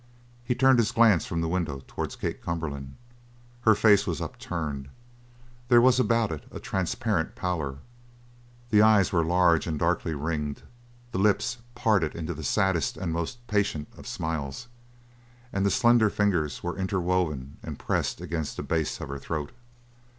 He turned his glance from the window towards Kate Cumberland. Her face was upturned. There was about it a transparent pallor; the eyes were large and darkly ringed; the lips parted into the saddest and the most patient of smiles; and the slender fingers were interwoven and pressed against the base of her throat.